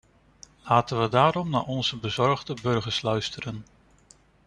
Laten we daarom naar onze bezorgde burgers luisteren.